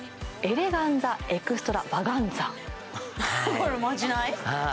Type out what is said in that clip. これおまじない？